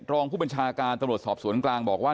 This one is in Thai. รองผู้บัญชาการตำรวจสอบสวนกลางบอกว่า